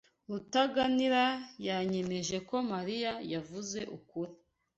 Rutaganira yanyemeje ko Mariya yavuze ukuri.